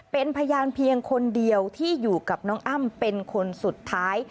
เป็นพยานเพียงคนเดียวที่อยู่กับน้องอ้ำเป็นคนสุดท้าย